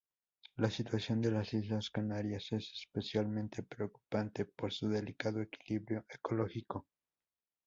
La situación en las Islas Canarias es especialmente preocupante, por su delicado equilibrio ecológico.